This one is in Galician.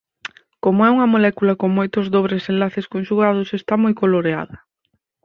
Como é unha molécula con moitos dobres enlaces conxugados está moi coloreada.